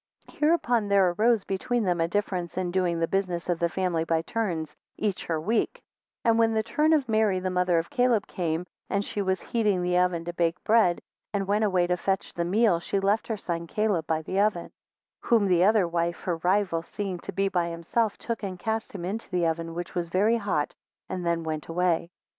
4 Hereupon there arose between them a difference in doing the business of the family by turns, each her week; 5 And when the turn of Mary the mother of Caleb came, and she was heating the oven to bake bread, and went away to fetch the meal, she left her son Caleb by the oven; 6 Whom the other wife, her rival, seeing to be by himself, took and cast him into the oven, which was very hot, and then went away.